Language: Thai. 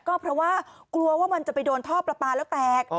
ก็เพราะว่ากลัวว่ามันจะไปโดนท่อปลาปลาแล้วแตก